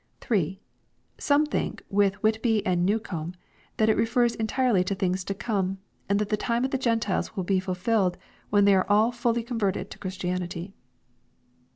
3. Some think, with Whitby and Newcome, that it refers en tirely to things to come, and that the time of the Gentiles will be fulfilled when they are all fully converted to Christianity.